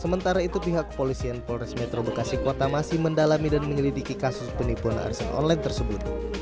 sementara itu pihak kepolisian polres metro bekasi kota masih mendalami dan menyelidiki kasus penipuan arsen online tersebut